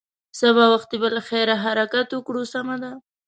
سبا وختي به له خیره حرکت وکړې، سمه ده.